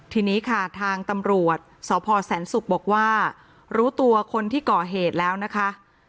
ทีนี้ค่ะทางตำรวจสพแสนศุกร์บอกว่ารู้ตัวคนที่ก่อเหตุแล้วนะคะ